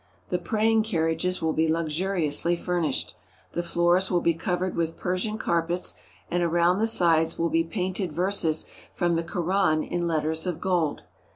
The praying car riages will be luxuriously furnished. The floors will be covered with Persian carpets, and around the sides will be painted verses from the Koran in letters of gold.